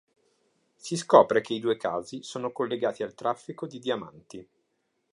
Si scopre che i due casi sono collegati al traffico di diamanti.